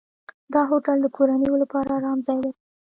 دا هوټل د کورنیو لپاره آرام ځای دی.